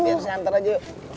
biar saya antar aja yuk